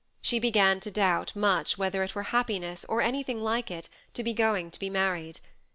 She began to doubt much whether it were happiness, or anything like it, to be going to be mar ried.